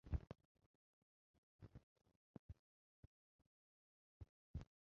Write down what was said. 紫色金线鲃为辐鳍鱼纲鲤形目鲤科金线鲃属的其中一种鱼类。